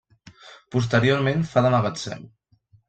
Posteriorment fa de magatzem.